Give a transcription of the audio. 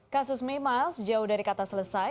kasus mimiles jauh dari kata selesai